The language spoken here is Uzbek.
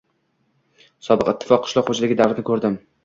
Sobiq ittifoq qishloq xo‘jaligi davrini ko‘rdim